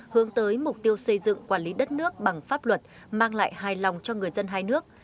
hướng tới mục tiêu xây dựng quản lý đất nước bằng pháp luật mang lại hài lòng cho người dân hai nước